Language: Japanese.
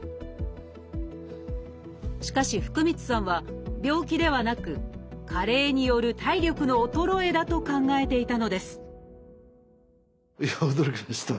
しかし福満さんは病気ではなく加齢による体力の衰えだと考えていたのです